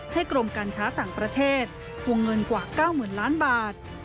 กรมการค้าต่างประเทศทวงเงินกว่า๙๐๐๐ล้านบาท